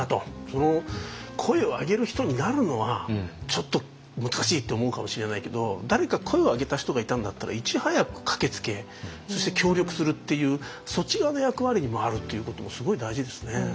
その声を上げる人になるのはちょっと難しいと思うかもしれないけど誰か声を上げた人がいたんだったらいち早く駆けつけそして協力するっていうそっち側の役割に回るっていうこともすごい大事ですね。